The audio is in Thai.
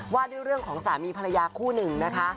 ว่าด้วยเรื่องของสามีภรรยาคู่หนึ่งนะคะ